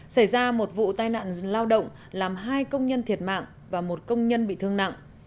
xảy ra một vụ tai nạn lao động làm hai công nhân thiệt mạng và một công nhân bị thương nặng